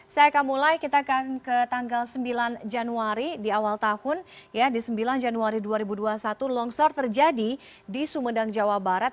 saya akan mulai kita akan ke tanggal sembilan januari di awal tahun ya di sembilan januari dua ribu dua puluh satu longsor terjadi di sumedang jawa barat